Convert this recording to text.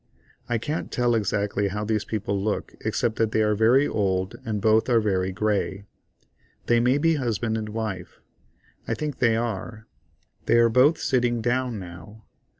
I can't tell exactly how these people look except that they are very old and both are very grey. They may be husband and wife. I think they are. They are both sitting down now.